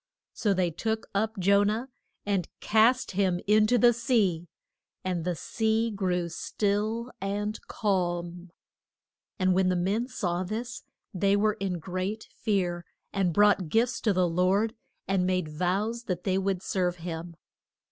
So they took up Jo nah, and cast him in to the sea, and the sea grew still and calm. And when the men saw this they were in great fear, and brought gifts to the Lord, and made vows that they would serve him.